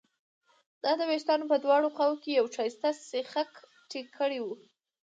او د وېښتانو په دواړو خواوو کې یې ښایسته سیخک ټینګ کړي وو